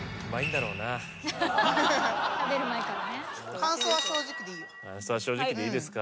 感想は正直でいいですか？